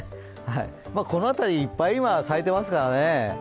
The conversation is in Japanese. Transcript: この辺りいっぱい今咲いてますからね。